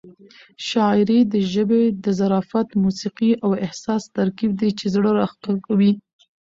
شاعري د ژبې د ظرافت، موسيقۍ او احساس ترکیب دی چې زړه راښکوي.